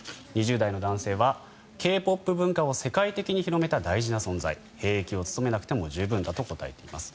２０代の男性はＫ−ＰＯＰ文化を世界的に広めた大事な存在兵役を務めなくても十分だと答えています。